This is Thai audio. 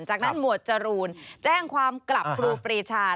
จากนั้นหมวดจรูนแจ้งความกลับครูปรีชา